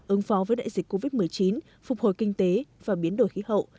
ứng phó với đại dịch covid một mươi chín phục hồi kinh tế và biến đổi khí hậu